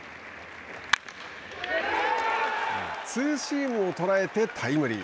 ツーシームを捉えてタイムリー。